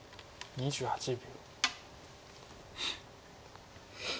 ２８秒。